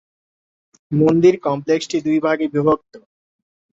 মন্দির কমপ্লেক্সটি দুই ভাগে বিভক্ত।